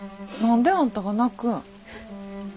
何であんたが泣くん。